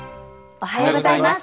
おはようございます。